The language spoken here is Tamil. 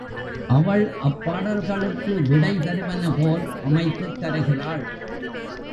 அவள் அப்பாடல்களுக்கு விடை தருவன போல் அமைத்துத் தருகிறாள்.